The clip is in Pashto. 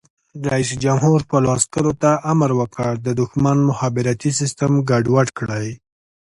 رئیس جمهور خپلو عسکرو ته امر وکړ؛ د دښمن مخابراتي سیسټم ګډوډ کړئ!